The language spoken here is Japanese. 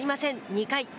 ２回。